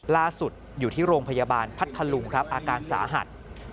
ล่าสุดอยู่ที่โรงพยาบาลพัทธลุงครับอาการสาหัส